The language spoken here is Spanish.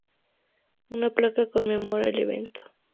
Una placa conmemora el evento.